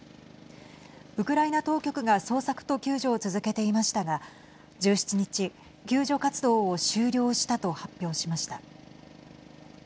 ウクライナ当局が捜索と救助を続けていましたが１７日、救助活動を終了したと発表しました。